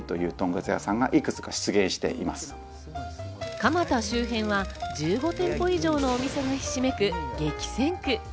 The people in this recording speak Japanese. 蒲田周辺は１５店舗以上のお店がひしめく激戦区。